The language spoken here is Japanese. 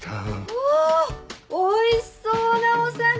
おおいしそうなお酒！